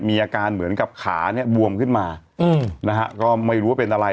มีอาการเหมือนกับขาเนี่ยบวมขึ้นมานะฮะก็ไม่รู้ว่าเป็นอะไร